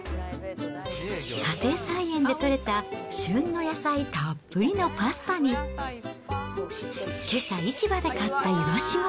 家庭菜園で取れた旬の野菜たっぷりのパスタに、けさ、市場で買ったイワシも。